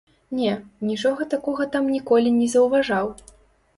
Не, нічога такога там ніколі не заўважаў.